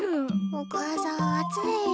お母さん暑いよ。